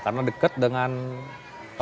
karena dekat dengan kaum muda